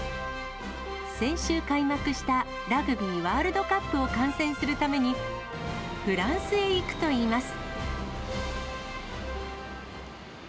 先週開幕した、ラグビーワールドカップを観戦するために、フランスへ行くといいます。